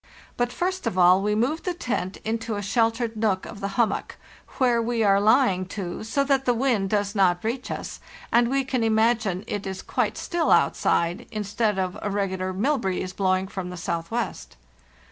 But first of all we moved the tent into a sheltered nook of the hummock, where we are lying to, so that the wind does not reach us, and we can imagine it is quite still outside, instead of a regular ' mill breeze' blowing from the southwest.